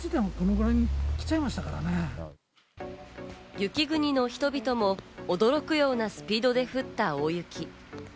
雪国の人々も驚くようなスピードで降った大雪。